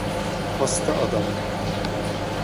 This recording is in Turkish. Hasta adam.